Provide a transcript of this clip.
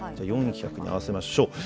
４００に合わせましょう。